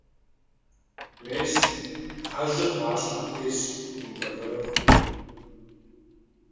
Мес, хьэжьыр гъуащхьэм тесщ, умыбэлэрыгъ.